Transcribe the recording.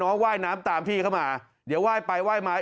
ว่ายน้ำตามพี่เข้ามาเดี๋ยวไหว้ไปไหว้มา